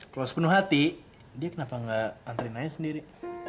kalau sepenuh hati dia kenapa nggak antarin aja sendiri